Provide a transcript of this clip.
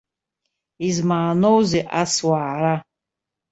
Измааноузеи ас уаара?